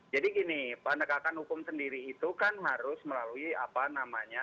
jadi gini penegakan hukum sendiri itu kan harus melalui apa namanya